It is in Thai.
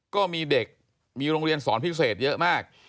ก็มีเด็กมีโรงเรียนสอนพิเศษเยอะมาก